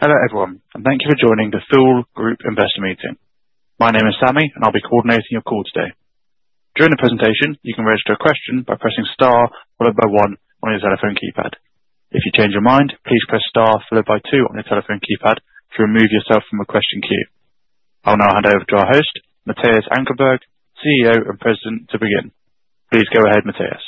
Hello everyone, and thank you for joining the Thule Group Investor Meeting. My name is Sammy, and I'll be coordinating your call today. During the presentation, you can register a question by pressing star followed by one on your telephone keypad. If you change your mind, please press star followed by two on your telephone keypad to remove yourself from the question queue. I'll now hand over to our host, Mattias Ankarberg, CEO and President, to begin. Please go ahead, Mattias.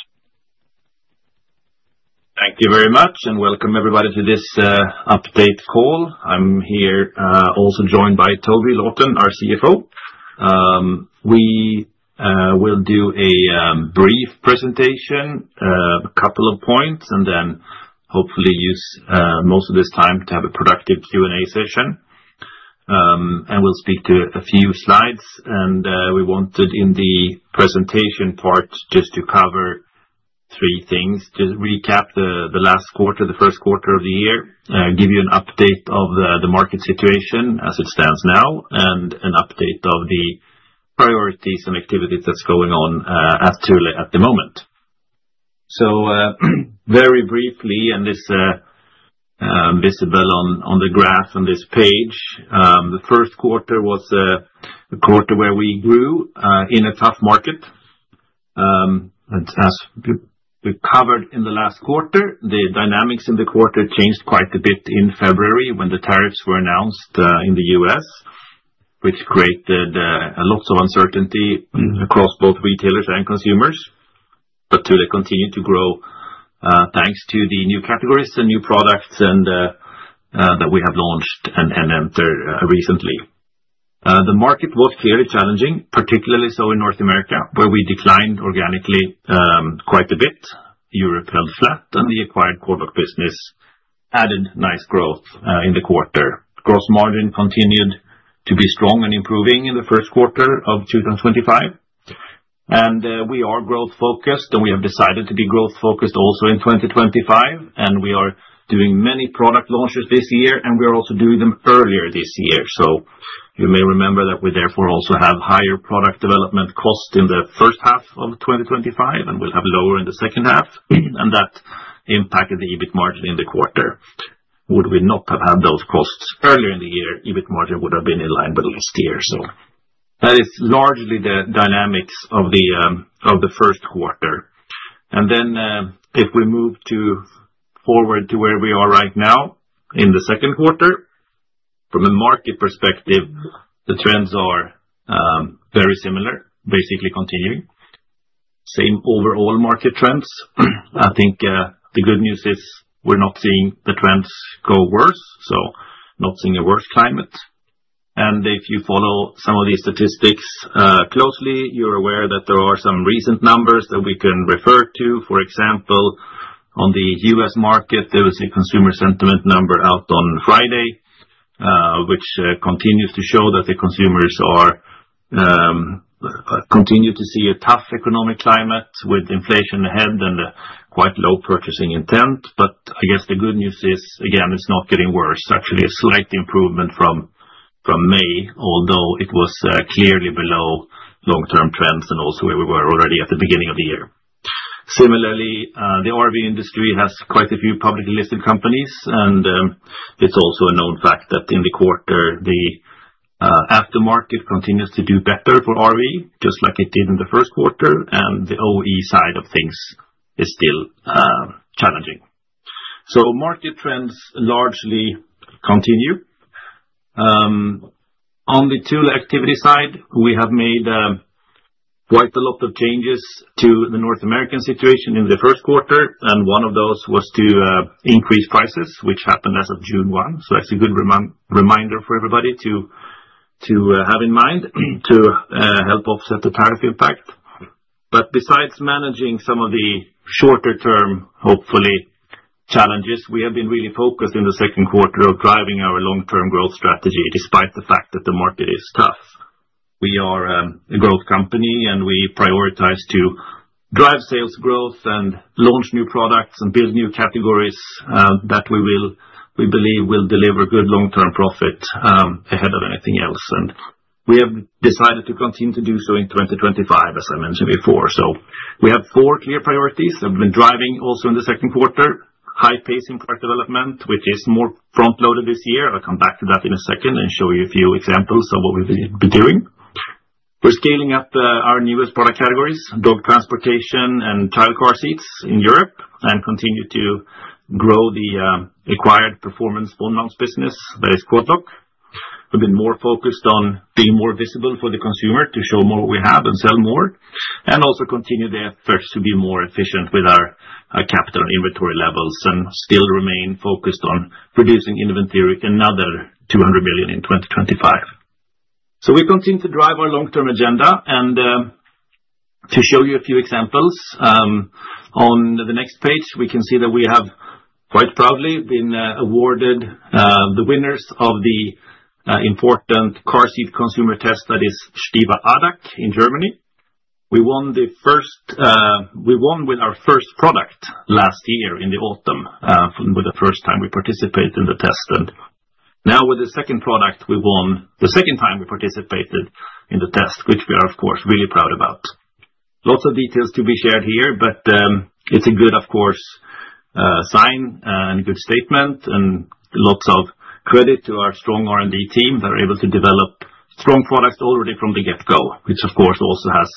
Thank you very much, and welcome everybody to this update call. I'm here also joined by Toby Lawton, our CFO. We will do a brief presentation, a couple of points, and then hopefully use most of this time to have a productive Q&A session. We will speak to a few slides, and we wanted in the presentation part just to cover three things: to recap the last quarter, the first quarter of the year, give you an update of the market situation as it stands now, and an update of the priorities and activities that are going on at Thule at the moment. Very briefly, and this is visible on the graph on this page, the first quarter was a quarter where we grew in a tough market. As we covered in the last quarter, the dynamics in the quarter changed quite a bit in February when the tariffs were announced in the U.S., which created lots of uncertainty across both retailers and consumers. Thule continued to grow thanks to the new categories and new products that we have launched and entered recently. The market was clearly challenging, particularly so in North America, where we declined organically quite a bit. Europe held flat, and the acquired core book business added nice growth in the quarter. Gross margin continued to be strong and improving in the first quarter of 2025. We are growth-focused, and we have decided to be growth-focused also in 2025. We are doing many product launches this year, and we are also doing them earlier this year. You may remember that we therefore also have higher product development costs in the first half of 2025, and we will have lower in the second half. That impacted the EBIT margin in the quarter. Would we not have had those costs earlier in the year, EBIT margin would have been in line with last year. That is largely the dynamics of the first quarter. If we move forward to where we are right now in the second quarter, from a market perspective, the trends are very similar, basically continuing. Same overall market trends. I think the good news is we are not seeing the trends go worse, so not seeing a worse climate. If you follow some of these statistics closely, you are aware that there are some recent numbers that we can refer to. For example, on the U.S. market, there was a consumer sentiment number out on Friday, which continues to show that the consumers continue to see a tough economic climate with inflation ahead and quite low purchasing intent. I guess the good news is, again, it's not getting worse. Actually, a slight improvement from May, although it was clearly below long-term trends and also where we were already at the beginning of the year. Similarly, the RV industry has quite a few publicly listed companies, and it's also a known fact that in the quarter, the aftermarket continues to do better for RV, just like it did in the first quarter, and the OE side of things is still challenging. Market trends largely continue. On the Thule activity side, we have made quite a lot of changes to the North American situation in the first quarter, and one of those was to increase prices, which happened as of June 1. That is a good reminder for everybody to have in mind to help offset the tariff impact. Besides managing some of the shorter-term, hopefully, challenges, we have been really focused in the second quarter on driving our long-term growth strategy despite the fact that the market is tough. We are a growth company, and we prioritize to drive sales growth and launch new products and build new categories that we believe will deliver good long-term profit ahead of anything else. We have decided to continue to do so in 2025, as I mentioned before. We have four clear priorities that we've been driving also in the second quarter: high-pacing product development, which is more front-loaded this year. I'll come back to that in a second and show you a few examples of what we've been doing. We're scaling up our newest product categories: dog transportation and child car seats in Europe, and continue to grow the acquired performance phone mounts business that is Quad Lock. We've been more focused on being more visible for the consumer to show more what we have and sell more, and also continue the efforts to be more efficient with our capital and inventory levels and still remain focused on producing inventory another 200 million in 2025. We continue to drive our long-term agenda. To show you a few examples, on the next page, we can see that we have quite proudly been awarded the winners of the important car seat consumer test that is Stiftung ADAC in Germany. We won with our first product last year in the autumn with the first time we participated in the test. Now with the second product, we won the second time we participated in the test, which we are, of course, really proud about. Lots of details to be shared here, but it is a good, of course, sign and good statement and lots of credit to our strong R&D team that are able to develop strong products already from the get-go, which, of course, also has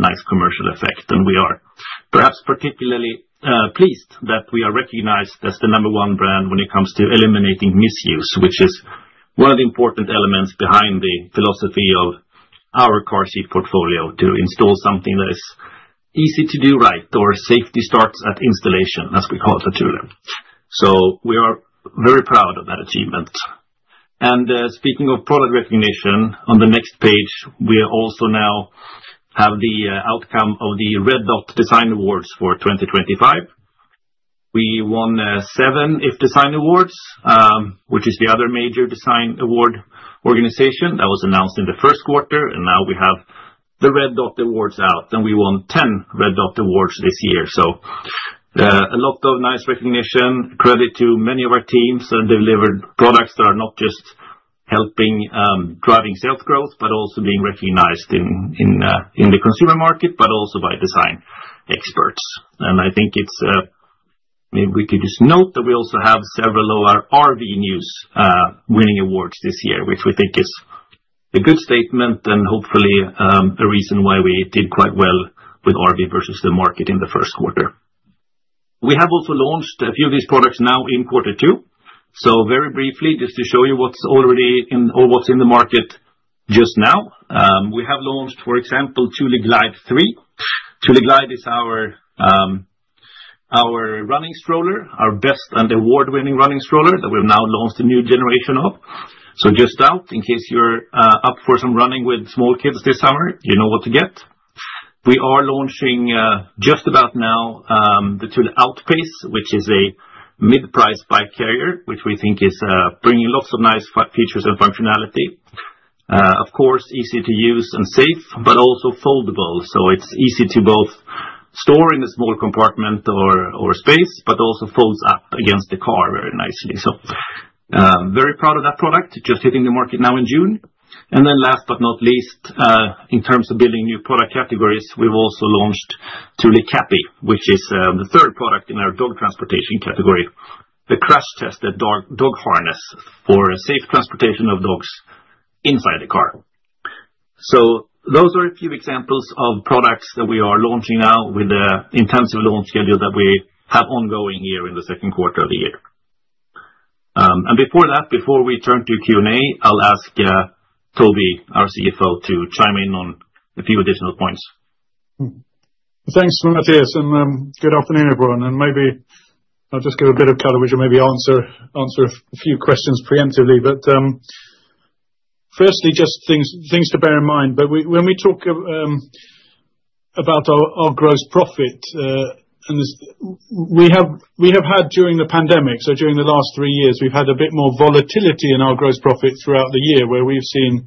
a nice commercial effect. We are perhaps particularly pleased that we are recognized as the number one brand when it comes to eliminating misuse, which is one of the important elements behind the philosophy of our car seat portfolio to install something that is easy to do right, or safety starts at installation, as we call it at Thule. We are very proud of that achievement. Speaking of product recognition, on the next page, we also now have the outcome of the Red Dot Design Awards for 2025. We won seven iF Design Awards, which is the other major design award organization that was announced in the first quarter. Now we have the Red Dot Awards out, and we won 10 Red Dot Awards this year. A lot of nice recognition, credit to many of our teams that delivered products that are not just helping driving sales growth, but also being recognized in the consumer market, but also by design experts. I think maybe we could just note that we also have several of our RV news winning awards this year, which we think is a good statement and hopefully a reason why we did quite well with RV versus the market in the first quarter. We have also launched a few of these products now in quarter two. Very briefly, just to show you what is already in or what is in the market just now, we have launched, for example, Thule Glide 3. Thule Glide is our running stroller, our best and award-winning running stroller that we have now launched a new generation of. Just out, in case you're up for some running with small kids this summer, you know what to get. We are launching just about now the Thule Outpace, which is a mid-price bike carrier, which we think is bringing lots of nice features and functionality. Of course, easy to use and safe, but also foldable. It's easy to both store in the small compartment or space, but also folds up against the car very nicely. Very proud of that product, just hitting the market now in June. Then last but not least, in terms of building new product categories, we've also launched Thule Cappy, which is the third product in our dog transportation category, the crash tested dog harness for safe transportation of dogs inside the car. Those are a few examples of products that we are launching now with the intensive launch schedule that we have ongoing here in the second quarter of the year. Before we turn to Q&A, I'll ask Toby, our CFO, to chime in on a few additional points. Thanks, Mattias, and good afternoon, everyone. Maybe I'll just give a bit of color, which will maybe answer a few questions preemptively. Firstly, just things to bear in mind. When we talk about our gross profit, and we have had during the pandemic, so during the last three years, we've had a bit more volatility in our gross profit throughout the year, where we've seen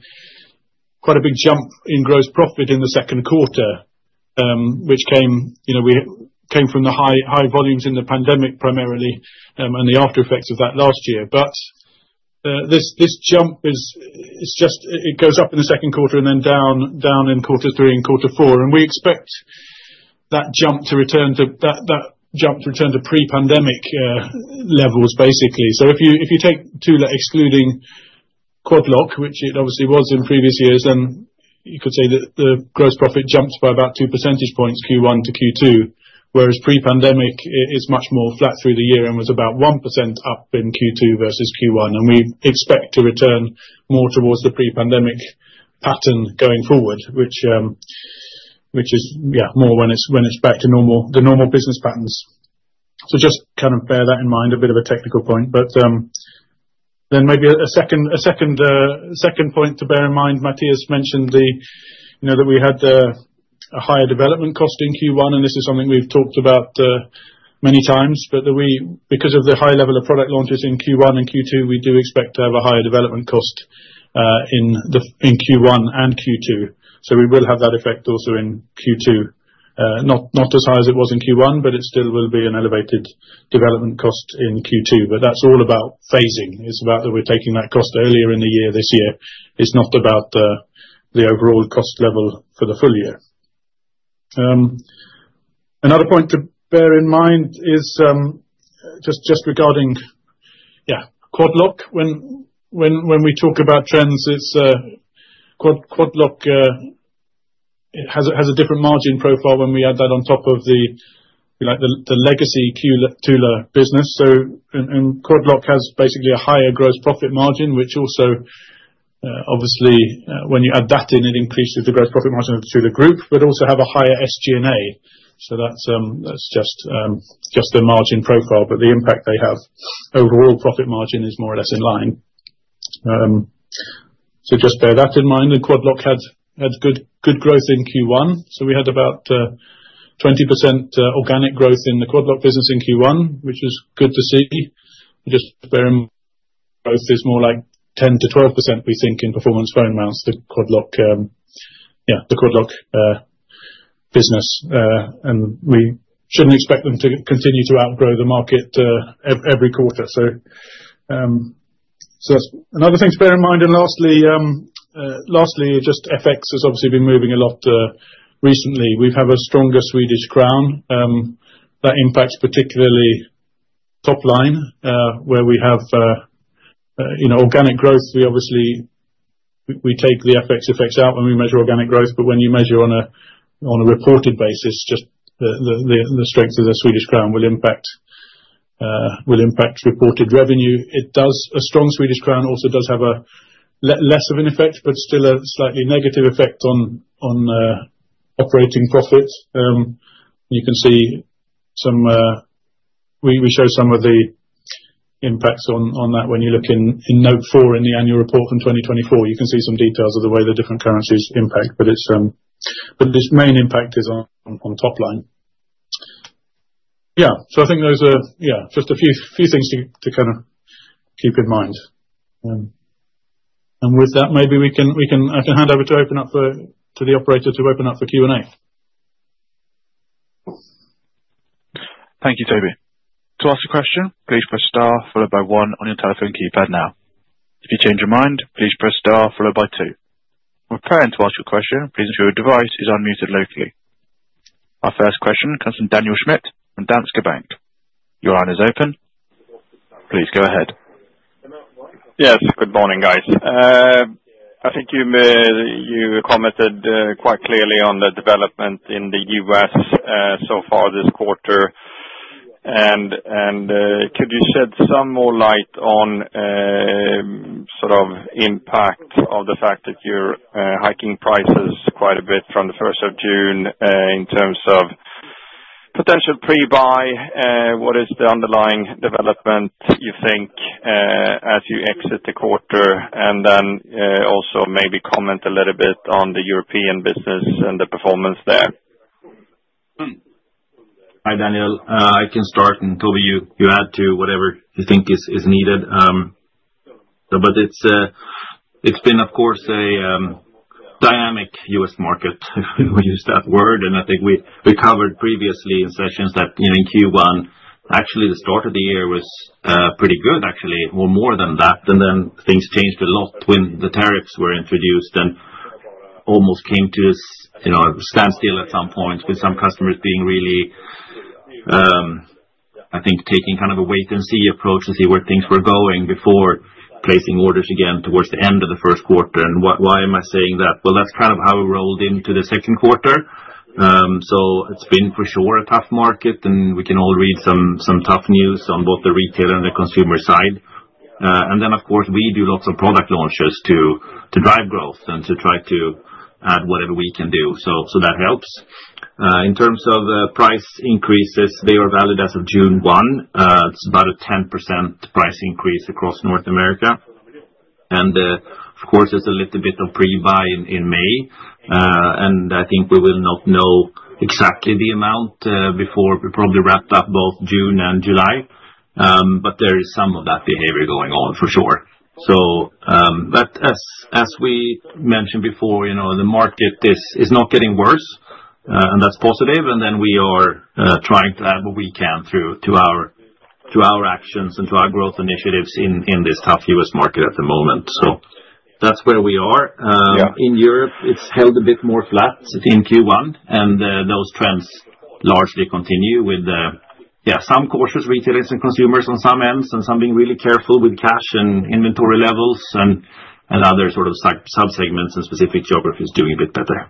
quite a big jump in gross profit in the second quarter, which came from the high volumes in the pandemic primarily and the aftereffects of that last year. This jump, it goes up in the second quarter and then down in quarter three and quarter four. We expect that jump to return to pre-pandemic levels, basically. If you take Thule excluding Quad Lock, which it obviously was in previous years, then you could say that the gross profit jumped by about two percentage points Q1-Q2, whereas pre-pandemic, it is much more flat through the year and was about 1% up in Q2 versus Q1. We expect to return more towards the pre-pandemic pattern going forward, which is, yeah, more when it is back to the normal business patterns. Just kind of bear that in mind, a bit of a technical point. Maybe a second point to bear in mind, Mattias mentioned that we had a higher development cost in Q1, and this is something we have talked about many times, but that we, because of the high level of product launches in Q1 and Q2, we do expect to have a higher development cost in Q1 and Q2. We will have that effect also in Q2, not as high as it was in Q1, but it still will be an elevated development cost in Q2. That is all about phasing. It is about that we are taking that cost earlier in the year this year. It is not about the overall cost level for the full year. Another point to bear in mind is just regarding, yeah, Quad Lock. When we talk about trends, Quad Lock has a different margin profile when we add that on top of the legacy Thule business. Quad Lock has basically a higher gross profit margin, which also, obviously, when you add that in, it increases the gross profit margin of Thule Group, but also has a higher SG&A. That is just the margin profile, but the impact they have on overall profit margin is more or less in line. Just bear that in mind. Quad Lock had good growth in Q1. We had about 20% organic growth in the Quad Lock business in Q1, which is good to see. Just bear in mind, growth is more like 10%-12%, we think, in performance phone mounts, the Quad Lock, yeah, the Quad Lock business. We should not expect them to continue to outgrow the market every quarter. That is another thing to bear in mind. Lastly, FX has obviously been moving a lot recently. We have a stronger Swedish krona that impacts particularly top line, where we have organic growth. We obviously take the FX effects out when we measure organic growth, but when you measure on a reported basis, just the strength of the Swedish krona will impact reported revenue. A strong Swedish krona also does have less of an effect, but still a slightly negative effect on operating profits. You can see some, we show some of the impacts on that when you look in note four in the annual report from 2024. You can see some details of the way the different currencies impact, but this main impact is on top line. Yeah. I think those are, yeah, just a few things to kind of keep in mind. With that, maybe I can hand over to open up to the operator to open up for Q&A. Thank you, Toby. To ask a question, please press star followed by one on your telephone keypad now. If you change your mind, please press star followed by two. When preparing to ask your question, please ensure your device is unmuted locally. Our first question comes from Daniel Schmidt from Danske Bank. Your line is open. Please go ahead. Yes, good morning, guys. I think you commented quite clearly on the development in the U.S. so far this quarter. Could you shed some more light on sort of impact of the fact that you're hiking prices quite a bit from the 1st of June in terms of potential pre-buy? What is the underlying development you think as you exit the quarter? Also, maybe comment a little bit on the European business and the performance there. Hi, Daniel. I can start, and Toby, you add to whatever you think is needed. It has been, of course, a dynamic U.S. market, if we use that word. I think we covered previously in sessions that in Q1, actually, the start of the year was pretty good, actually, or more than that. Things changed a lot when the tariffs were introduced and almost came to a standstill at some points, with some customers being really, I think, taking kind of a wait-and-see approach to see where things were going before placing orders again towards the end of the first quarter. Why am I saying that? That is kind of how it rolled into the second quarter. It has been, for sure, a tough market, and we can all read some tough news on both the retailer and the consumer side. Of course, we do lots of product launches to drive growth and to try to add whatever we can do. That helps. In terms of price increases, they are valid as of June 1. It is about a 10% price increase across North America. There is a little bit of pre-buy in May. I think we will not know exactly the amount before we probably wrap up both June and July. There is some of that behavior going on, for sure. As we mentioned before, the market is not getting worse, and that is positive. We are trying to add what we can through our actions and through our growth initiatives in this tough U.S. market at the moment. That is where we are. In Europe, it's held a bit more flat in Q1, and those trends largely continue with, yeah, some cautious retailers and consumers on some ends and some being really careful with cash and inventory levels and other sort of subsegments and specific geographies doing a bit better.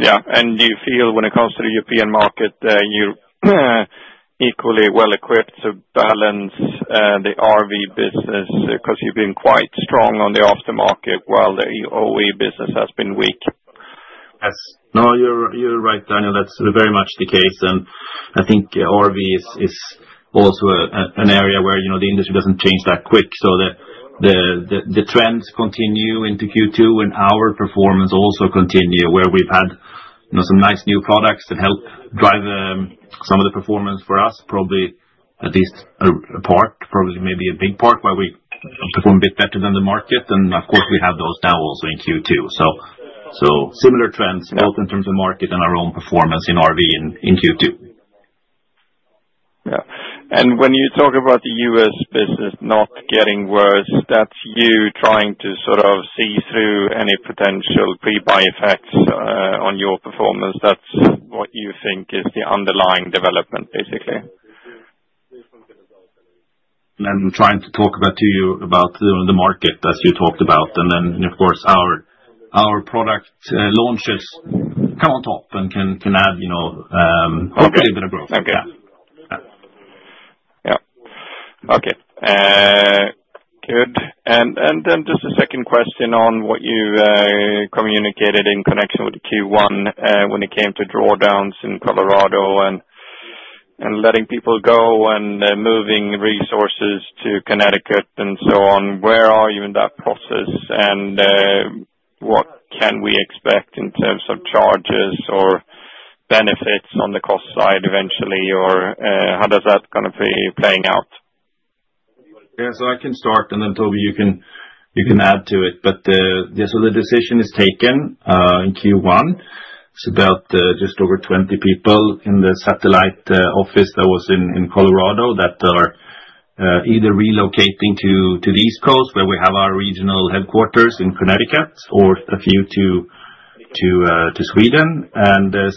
Yeah. Do you feel when it comes to the European market that you're equally well-equipped to balance the RV business because you've been quite strong on the aftermarket while the OE business has been weak? Yes. No, you're right, Daniel. That's very much the case. I think RV is also an area where the industry doesn't change that quick. The trends continue into Q2, and our performance also continues, where we've had some nice new products that help drive some of the performance for us, probably at least a part, probably maybe a big part, where we perform a bit better than the market. Of course, we have those now also in Q2. Similar trends, both in terms of market and our own performance in RV in Q2. Yeah. When you talk about the U.S. business not getting worse, that's you trying to sort of see through any potential pre-buy effects on your performance. That's what you think is the underlying development, basically. I'm trying to talk to you about the market, as you talked about. Of course, our product launches come on top and can add a little bit of growth. Okay. Yeah. Yeah. Okay. Good. Just a second question on what you communicated in connection with Q1 when it came to drawdowns in Colorado and letting people go and moving resources to Connecticut and so on. Where are you in that process? What can we expect in terms of charges or benefits on the cost side eventually? How does that kind of play out? Yeah. I can start, and then Toby, you can add to it. The decision is taken in Q1. It is about just over 20 people in the satellite office that was in Colorado that are either relocating to the East Coast, where we have our regional headquarters in Connecticut, or a few to Sweden.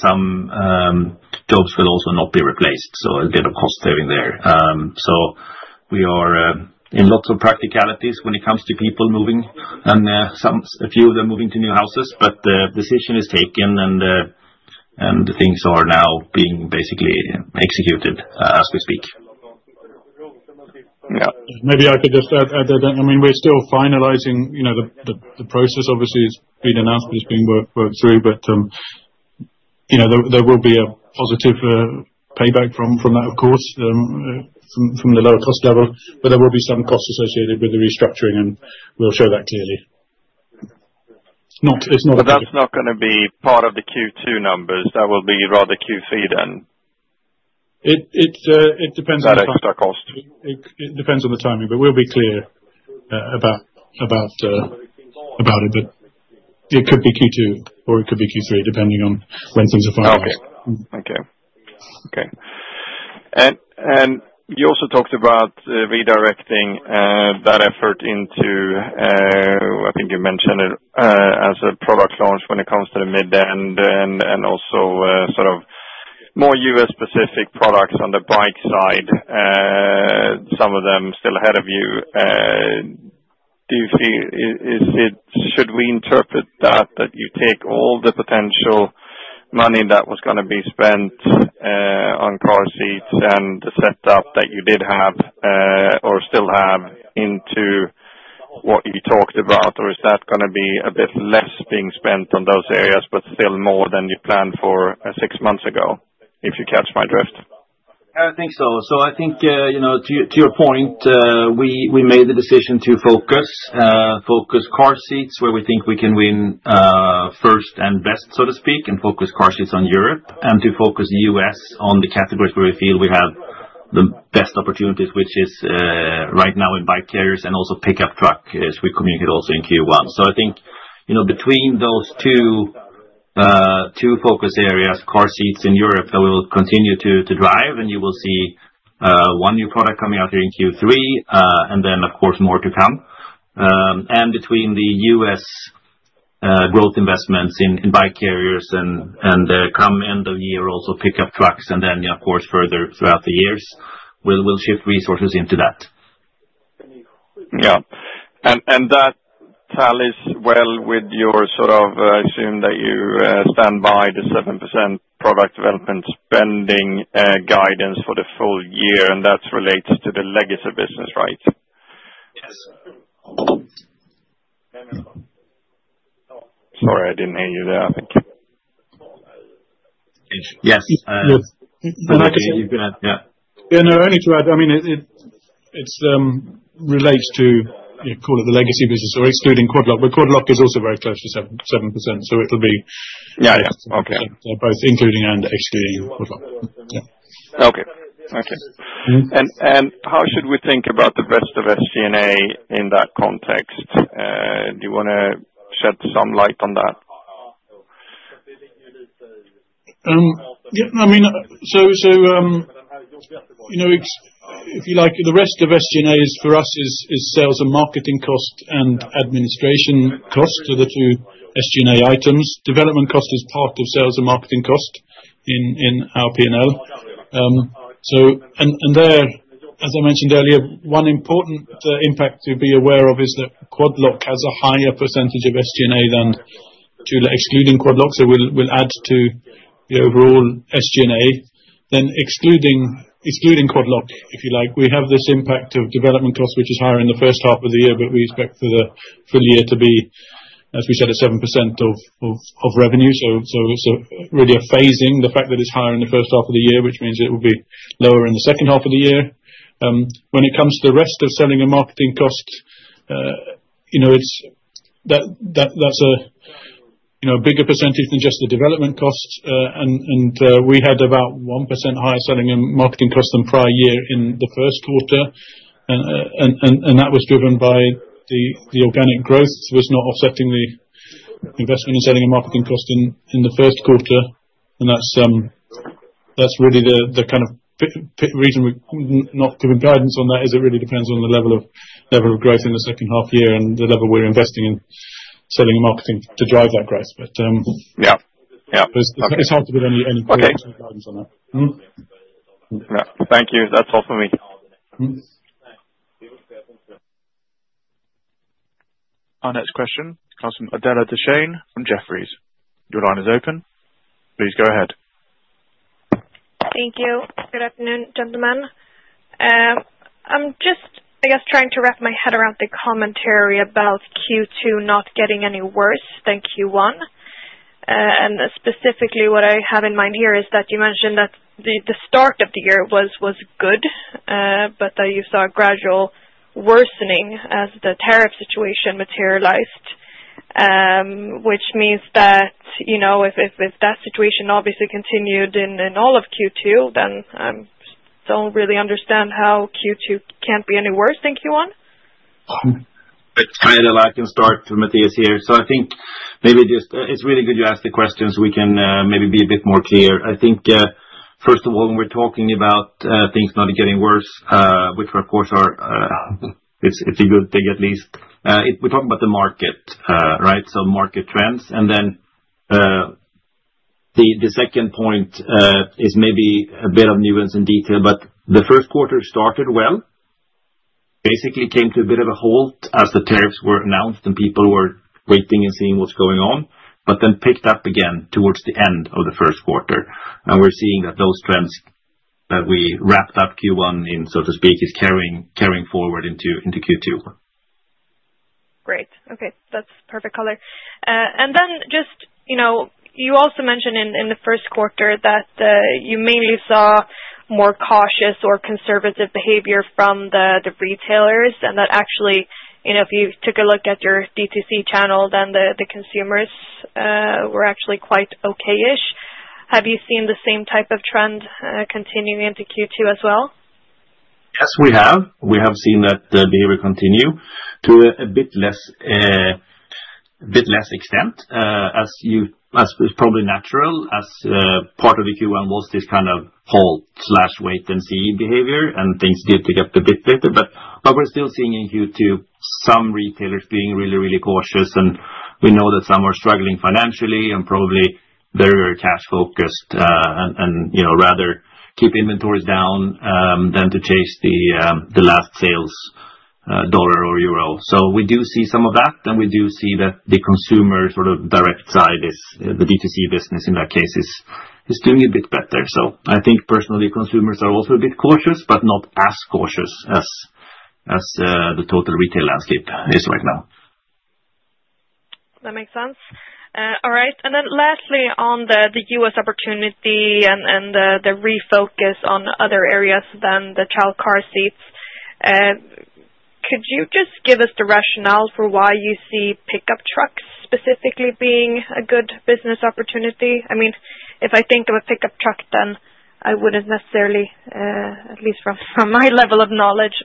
Some jobs will also not be replaced. A bit of cost saving there. We are in lots of practicalities when it comes to people moving and a few of them moving to new houses. The decision is taken, and things are now being basically executed as we speak. Yeah. Maybe I could just add that, I mean, we're still finalizing the process. Obviously, it's been announced, but it's being worked through. There will be a positive payback from that, of course, from the lower cost level. There will be some cost associated with the restructuring, and we'll show that clearly. It's not a big deal. That is not going to be part of the Q2 numbers. That will be rather Q3 then? It depends on the timing. That is the cost. It depends on the timing, but we'll be clear about it. It could be Q2, or it could be Q3, depending on when things are finalized. Okay. Okay. You also talked about redirecting that effort into, I think you mentioned it, as a product launch when it comes to the mid-end and also sort of more U.S.-specific products on the bike side, some of them still ahead of you. Do you feel should we interpret that, that you take all the potential money that was going to be spent on car seats and the setup that you did have or still have into what you talked about? Or is that going to be a bit less being spent on those areas, but still more than you planned for six months ago, if you catch my drift? I think so. I think, to your point, we made the decision to focus car seats, where we think we can win first and best, so to speak, and focus car seats on Europe, and to focus U.S. on the categories where we feel we have the best opportunities, which is right now in bike carriers and also pickup truck, as we communicated also in Q1. I think between those two focus areas, car seats in Europe that we will continue to drive, and you will see one new product coming out here in Q3, and then, of course, more to come. Between the U.S. growth investments in bike carriers and come end of year, also pickup trucks, and then, of course, further throughout the years, we will shift resources into that. Yeah. That ties well with your sort of, I assume, that you stand by the 7% product development spending guidance for the full year. That relates to the legacy business, right? Sorry, I did not hear you there. I think. Yes. I can hear you. Yeah. Yeah. No, only to add, I mean, it relates to, call it the legacy business, or excluding Quad Lock. Quad Lock is also very close to 7%, so it will be both including and excluding Quad Lock. Okay. Okay. How should we think about the rest of SG&A in that context? Do you want to shed some light on that? Yeah. I mean, if you like, the rest of SG&A for us is sales and marketing cost and administration cost, the two SG&A items. Development cost is part of sales and marketing cost in our P&L. There, as I mentioned earlier, one important impact to be aware of is that Quad Lock has a higher percentage of SG&A than excluding Quad Lock, so it will add to the overall SG&A. Excluding Quad Lock, if you like, we have this impact of development cost, which is higher in the first half of the year, but we expect for the full year to be, as we said, at 7% of revenue. It is really a phasing, the fact that it is higher in the first half of the year, which means it will be lower in the second half of the year. When it comes to the rest of selling and marketing cost, that's a bigger percentage than just the development cost. We had about 1% higher selling and marketing cost than prior year in the first quarter. That was driven by the organic growth. It was not offsetting the investment in selling and marketing cost in the first quarter. That is really the kind of reason we're not giving guidance on that, as it really depends on the level of growth in the second half year and the level we're investing in selling and marketing to drive that growth. It's hard to give any guidance on that. Yeah. Thank you. That's all for me. Our next question comes from Adela Dashian from Jefferies. Your line is open. Please go ahead. Thank you. Good afternoon, gentlemen. I'm just, I guess, trying to wrap my head around the commentary about Q2 not getting any worse than Q1. Specifically, what I have in mind here is that you mentioned that the start of the year was good, but that you saw a gradual worsening as the tariff situation materialized, which means that if that situation obviously continued in all of Q2, then I don't really understand how Q2 can't be any worse than Q1. I can start. It's Mattias here. I think maybe just it's really good you asked the questions so we can maybe be a bit more clear. I think, first of all, when we're talking about things not getting worse, which, of course, it's a good thing at least, we're talking about the market, right? Market trends. The second point is maybe a bit of nuance and detail, but the first quarter started well, basically came to a bit of a halt as the tariffs were announced and people were waiting and seeing what's going on, but then picked up again towards the end of the first quarter. We're seeing that those trends that we wrapped up Q1 in, so to speak, are carrying forward into Q2. Great. Okay. That's perfect color. And then just you also mentioned in the first quarter that you mainly saw more cautious or conservative behavior from the retailers, and that actually, if you took a look at your DTC channel, then the consumers were actually quite okay-ish. Have you seen the same type of trend continuing into Q2 as well? Yes, we have. We have seen that behavior continue to a bit less extent, as is probably natural. As part of the Q1 was this kind of halt/wait-and-see behavior, and things did pick up a bit later. We are still seeing in Q2 some retailers being really, really cautious. We know that some are struggling financially and probably very, very cash-focused and rather keep inventories down than to chase the last sales dollar or euro. We do see some of that. We do see that the consumer sort of direct side, the DTC business in that case, is doing a bit better. I think, personally, consumers are also a bit cautious, but not as cautious as the total retail landscape is right now. That makes sense. All right. Lastly, on the U.S. opportunity and the refocus on other areas than the child car seats, could you just give us the rationale for why you see pickup trucks specifically being a good business opportunity? I mean, if I think of a pickup truck, then I would not necessarily, at least from my level of knowledge,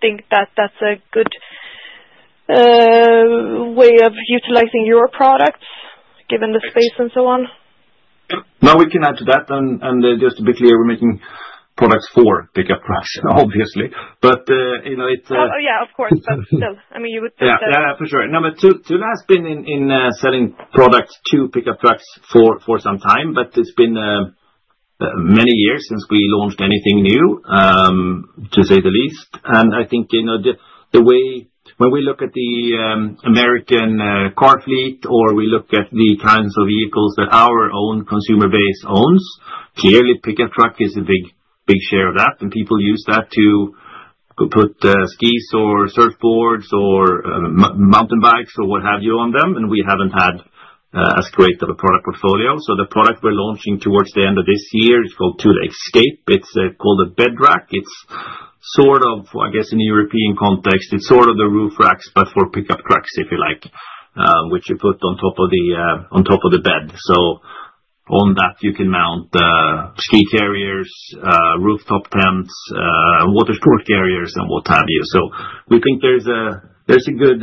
think that that is a good way of utilizing your products given the space and so on. No, we can add to that. Just to be clear, we're making products for pickup trucks, obviously. It's. Oh, yeah, of course. Still, I mean, you would think that. Yeah, yeah, yeah, for sure. No, but Thule has been in selling products to pickup trucks for some time, but it's been many years since we launched anything new, to say the least. I think the way when we look at the American car fleet or we look at the kinds of vehicles that our own consumer base owns, clearly pickup truck is a big share of that. People use that to put skis or surfboards or mountain bikes or what have you on them. We haven't had as great of a product portfolio. The product we're launching towards the end of this year is called Thule Escape. It's called a bed rack. It's sort of, I guess, in the European context, it's sort of the roof racks, but for pickup trucks, if you like, which you put on top of the bed. On that, you can mount ski carriers, rooftop tents, water sport carriers, and what have you. We think there's a good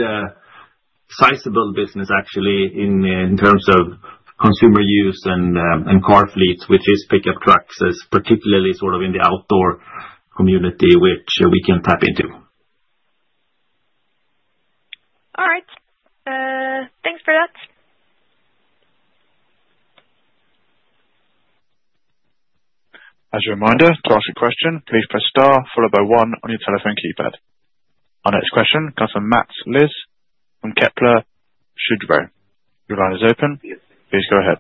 sizable business, actually, in terms of consumer use and car fleets, which is pickup trucks, particularly sort of in the outdoor community, which we can tap into. All right. Thanks for that. As a reminder, to ask a question, please press star followed by one on your telephone keypad. Our next question comes from Mats Liss from Kepler Cheuvreux. Your line is open. Please go ahead.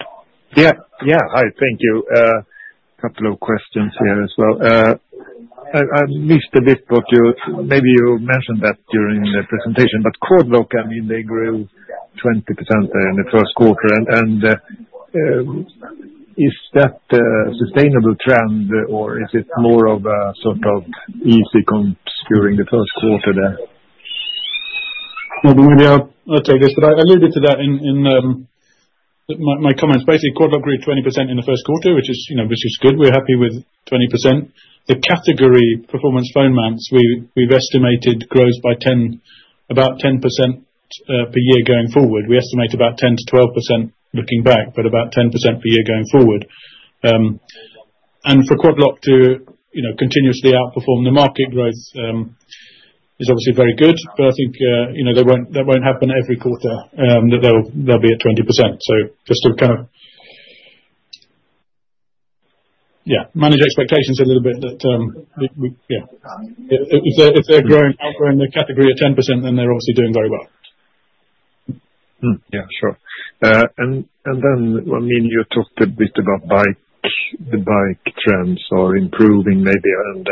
Yeah. Yeah. Hi. Thank you. A couple of questions here as well. I missed a bit what you, maybe you mentioned that during the presentation, but Quad Lock, I mean, they grew 20% there in the first quarter. Is that a sustainable trend, or is it more of a sort of easy comps during the first quarter there? I'll take this. I alluded to that in my comments. Basically, Quad Lock grew 20% in the first quarter, which is good. We're happy with 20%. The category performance phone mounts, we've estimated growth by about 10% per year going forward. We estimate about 10%-12% looking back, but about 10% per year going forward. For Quad Lock to continuously outperform the market growth is obviously very good, but I think that won't happen every quarter, that they'll be at 20%. Just to kind of, yeah, manage expectations a little bit that, yeah, if they're growing out from the category at 10%, then they're obviously doing very well. Yeah. Sure. I mean, you talked a bit about the bike trends or improving maybe, and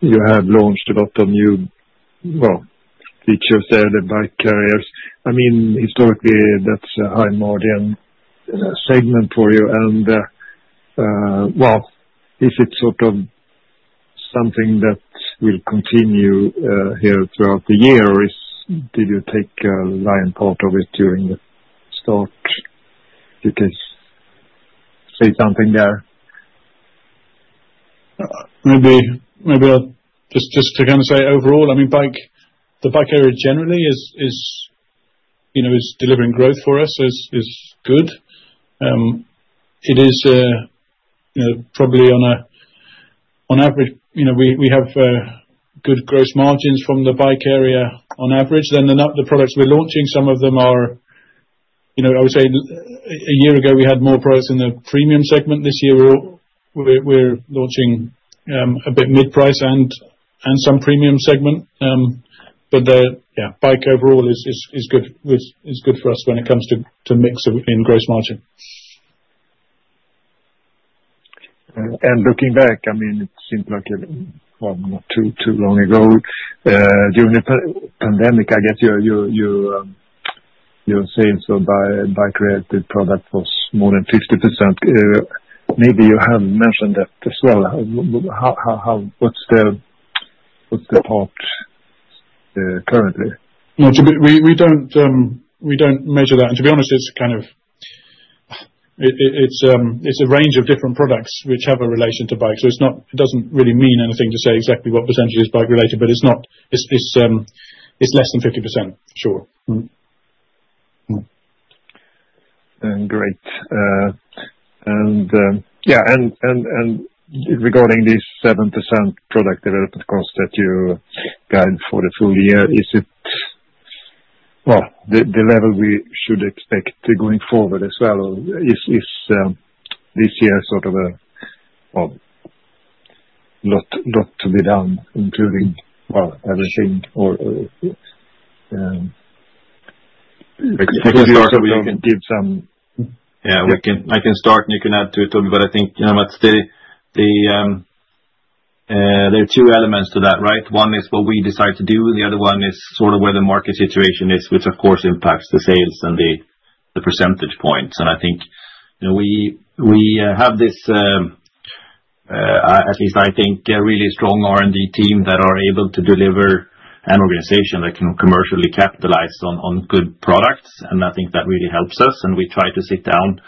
you have launched a lot of new features there, the bike carriers. I mean, historically, that's a high-margin segment for you. Is it sort of something that will continue here throughout the year? Did you take a lion part of it during the start? You can say something there. Maybe just to kind of say overall, I mean, the bike area generally is delivering growth for us, is good. It is probably, on average, we have good gross margins from the bike area on average. Then the products we're launching, some of them are, I would say, a year ago, we had more products in the premium segment. This year, we're launching a bit mid-price and some premium segment. The bike overall is good for us when it comes to mix in gross margin. Looking back, I mean, it seems like too long ago during the pandemic, I guess you're saying bike-related product was more than 50%. Maybe you have mentioned that as well. What's the part currently? No, we don't measure that. To be honest, it's kind of a range of different products which have a relation to bikes. It doesn't really mean anything to say exactly what percentage is bike-related, but it's less than 50% for sure. Great. Regarding this 7% product development cost that you guide for the full year, is it the level we should expect going forward as well? Is this year sort of a lot to be done, including everything? Or you can give some. Yeah. I can start, and you can add to it, Toby. I think there are two elements to that, right? One is what we decide to do. The other one is sort of where the market situation is, which, of course, impacts the sales and the percentage points. I think we have this, at least I think, really strong R&D team that are able to deliver an organization that can commercially capitalize on good products. I think that really helps us. We try to sit down.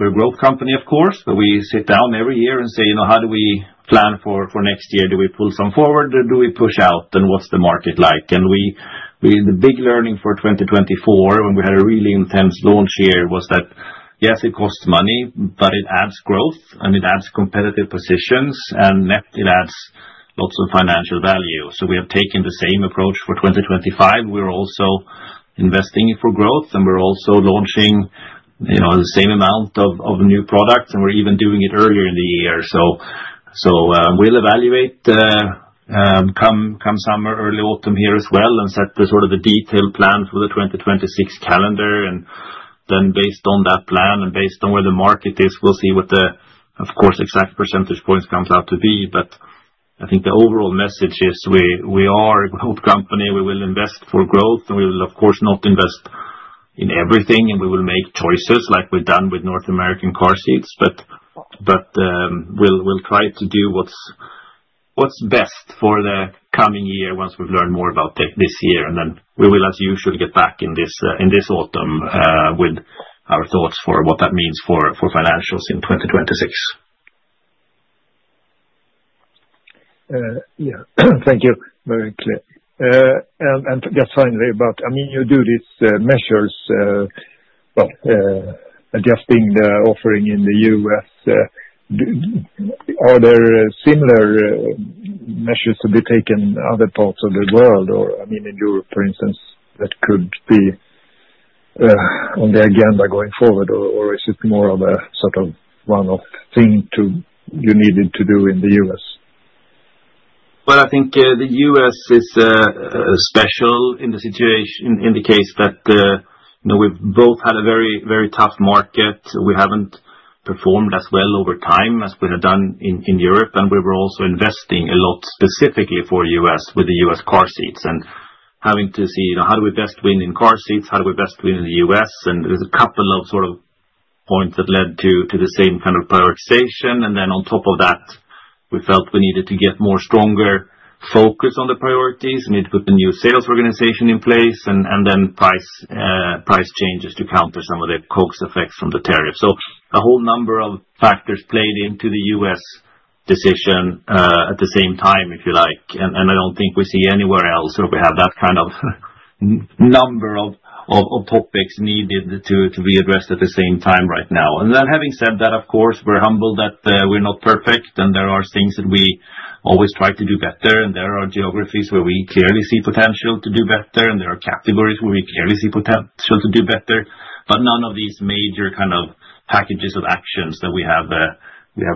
We're a growth company, of course, but we sit down every year and say, "How do we plan for next year? Do we pull some forward? Do we push out? What's the market like? The big learning for 2024, when we had a really intense launch year, was that, yes, it costs money, but it adds growth, and it adds competitive positions, and it adds lots of financial value. We have taken the same approach for 2025. We're also investing for growth, and we're also launching the same amount of new products, and we're even doing it earlier in the year. We'll evaluate come summer, early autumn here as well, and set sort of the detailed plan for the 2026 calendar. Then based on that plan and based on where the market is, we'll see what the, of course, exact percentage points comes out to be. I think the overall message is we are a growth company. We will invest for growth, and we will, of course, not invest in everything, and we will make choices like we've done with North American car seats. We will try to do what's best for the coming year once we've learned more about this year. We will, as usual, get back in this autumn with our thoughts for what that means for financials in 2026. Yeah. Thank you. Very clear. And just finally, about, I mean, you do these measures, well, adjusting the offering in the U.S. Are there similar measures to be taken in other parts of the world, or, I mean, in Europe, for instance, that could be on the agenda going forward, or is it more of a sort of one-off thing you needed to do in the U.S.? I think the U.S. is special in the case that we've both had a very, very tough market. We haven't performed as well over time as we had done in Europe. We were also investing a lot specifically for the U.S. with the U.S. car seats and having to see how do we best win in car seats? How do we best win in the U.S.? There are a couple of sort of points that led to the same kind of prioritization. On top of that, we felt we needed to get more stronger focus on the priorities. We need to put the new sales organization in place and then price changes to counter some of the cost effects from the tariffs. A whole number of factors played into the U.S. decision at the same time, if you like. I do not think we see anywhere else or we have that kind of number of topics needed to be addressed at the same time right now. Having said that, of course, we are humbled that we are not perfect, and there are things that we always try to do better. There are geographies where we clearly see potential to do better, and there are categories where we clearly see potential to do better. None of these major kind of packages of actions that we have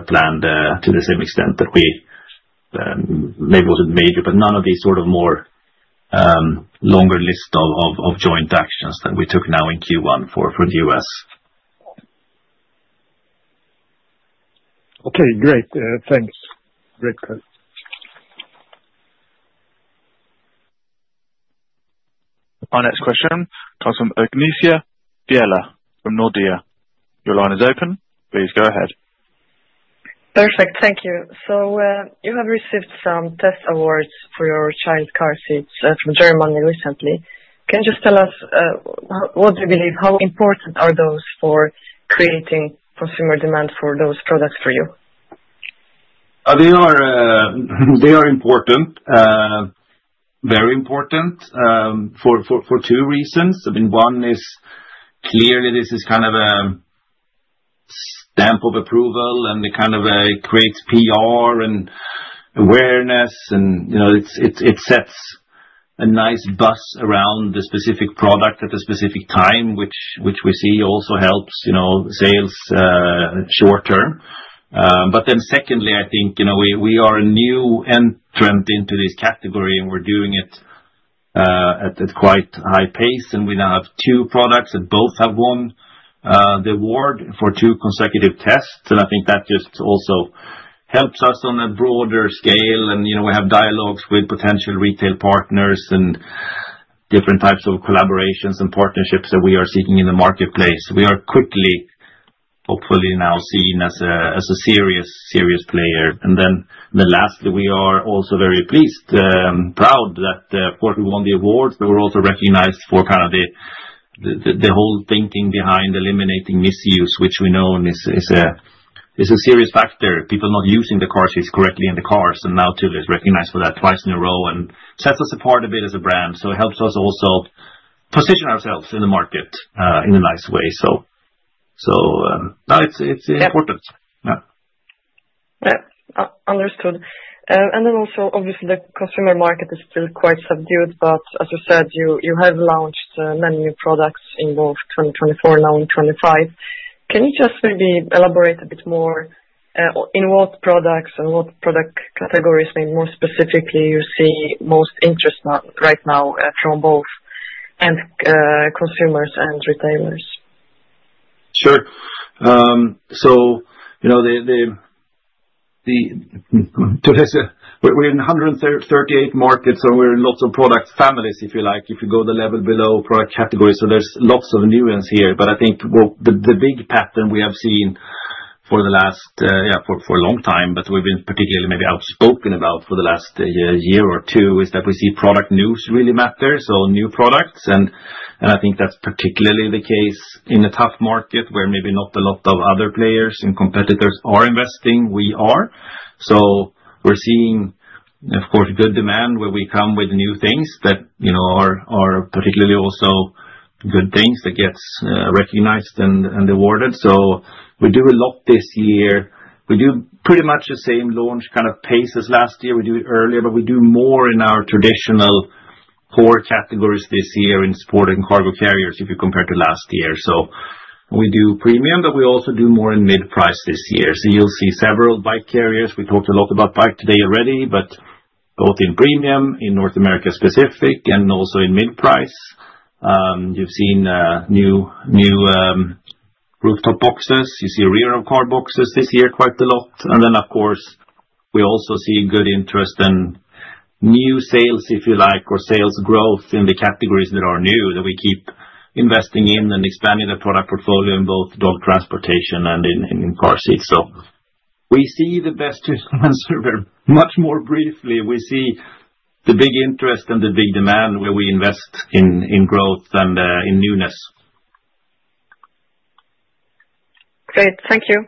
planned to the same extent that we maybe was not major, but none of these sort of more longer list of joint actions that we took now in Q1 for the U.S. Okay. Great. Thanks. Our next question comes from Eunicia Biella from Nordea. Your line is open. Please go ahead. Perfect. Thank you. You have received some test awards for your child car seats from Germany recently. Can you just tell us what do you believe? How important are those for creating consumer demand for those products for you? They are important, very important for two reasons. I mean, one is clearly this is kind of a stamp of approval, and it kind of creates PR and awareness, and it sets a nice buzz around the specific product at a specific time, which we see also helps sales short term. Secondly, I think we are a new entrant into this category, and we're doing it at quite high pace. We now have two products, and both have won the award for two consecutive tests. I think that just also helps us on a broader scale. We have dialogues with potential retail partners and different types of collaborations and partnerships that we are seeking in the marketplace. We are quickly, hopefully, now seen as a serious player. Lastly, we are also very pleased, proud that we won the award, but we are also recognized for kind of the whole thinking behind eliminating misuse, which we know is a serious factor. People not using the car seats correctly in the cars. Now Thule is recognized for that twice in a row and sets us apart a bit as a brand. It helps us also position ourselves in the market in a nice way. It is important. Yeah. Yeah. Understood. Also, obviously, the consumer market is still quite subdued, but as you said, you have launched many new products in both 2024, now in 2025. Can you just maybe elaborate a bit more in what products and what product categories, maybe more specifically, you see most interest right now from both end consumers and retailers? Sure. We are in 138 markets, and we are in lots of product families, if you like, if you go the level below product categories. There is lots of nuance here. I think the big pattern we have seen for a long time, but we have been particularly maybe outspoken about for the last year or two, is that we see product news really matter. New products. I think that is particularly the case in a tough market where maybe not a lot of other players and competitors are investing. We are. We are seeing, of course, good demand where we come with new things that are particularly also good things that get recognized and awarded. We do a lot this year. We do pretty much the same launch kind of pace as last year. We do it earlier, but we do more in our traditional core categories this year in Sport & Cargo Carriers if you compare to last year. We do premium, but we also do more in mid-price this year. You will see several bike carriers. We talked a lot about bike today already, both in premium, in North America specific, and also in mid-price. You have seen new rooftop boxes. You see rear-end car boxes this year quite a lot. Of course, we also see good interest in new sales, if you like, or sales growth in the categories that are new that we keep investing in and expanding the product portfolio in both dog transportation and in car seats. The best to answer much more briefly, we see the big interest and the big demand where we invest in growth and in newness. Great. Thank you.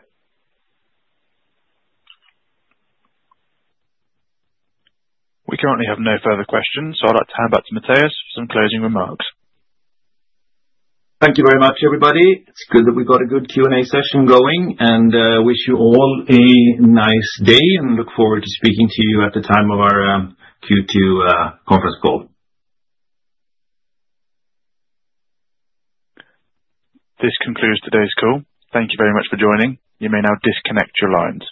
We currently have no further questions, so I'd like to hand back to Mattias for some closing remarks. Thank you very much, everybody. It is good that we have got a good Q&A session going, and I wish you all a nice day and look forward to speaking to you at the time of our Q2 conference call. This concludes today's call. Thank you very much for joining. You may now disconnect your lines.